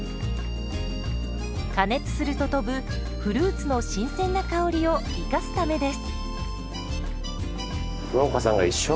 加熱すると飛ぶフルーツの新鮮な香りを生かすためです。